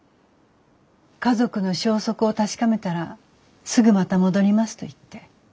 「家族の消息を確かめたらすぐまた戻ります」と言って。